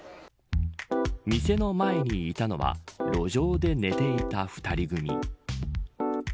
店の前にいたのは路上で寝ていた２人組。